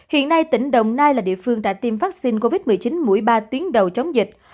hiện nay tỉnh đồng nai là địa phương đã tiêm vaccine covid một mươi chín mũi ba tuyến đầu chống dịch